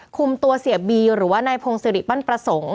คุมตัวเสียบีหรือว่านายพงศิริปั้นประสงค์